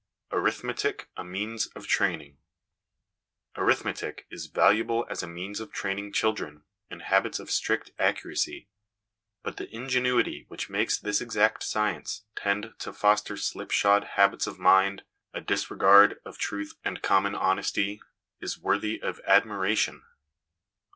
Arithmetic a Means of Training. Arithmetic is valuable as a means of training children in habits of strict accuracy, but the ingenuity which makes this exact science tend to foster slipshod habits of mind, a disregard of truth and common honesty, is worthy of admiration